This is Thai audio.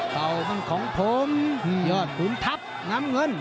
เก่ามันของผมยอดขุนทัพน้ำเงิน